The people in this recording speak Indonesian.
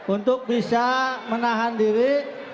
untuk bisa menahan diri